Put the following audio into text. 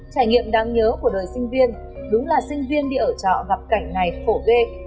trải nghiệm đáng nhớ của đời sinh viên đúng là sinh viên đi ở trọ gặp cảnh này khổ ghê